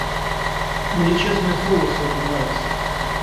Мне честное слово всё это нравится!